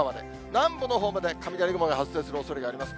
南部のほうまで雷雲が発生するおそれがあります。